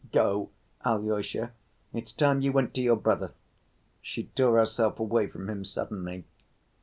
Go, Alyosha; it's time you went to your brother"; she tore herself away from him suddenly.